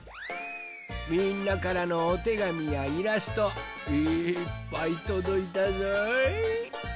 みんなからのおてがみやイラストいっぱいとどいたぞい。